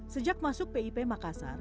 sejak masuk pip makassar